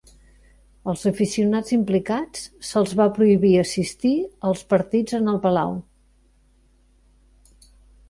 Als aficionats implicats se'ls va prohibir assistir als partits en el Palau.